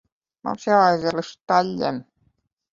Mums jāaiziet līdz staļļiem.